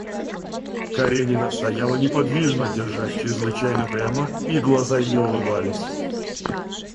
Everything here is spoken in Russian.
Каренина стояла неподвижно, держась чрезвычайно прямо, и глаза ее улыбались.